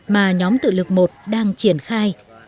mà nhóm tự lực một đang triển khai